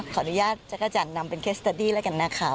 ขออนุญาตจักรจันทร์นำเป็นเคสเตอร์ดี้แล้วกันนะคะ